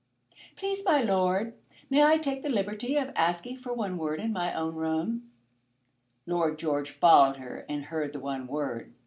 "Please, my lord, might I take the liberty of asking for one word in my own room?" Lord George followed her and heard the one word.